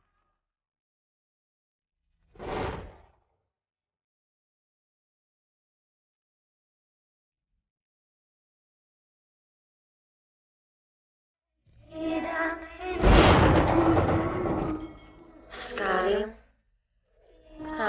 mas sekalim kenapa sekarang ku jadi tak merasa bersalah ya sama sekalim